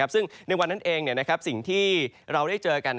ซึ่งในวันนั้นเองสิ่งที่เราได้เจอกัน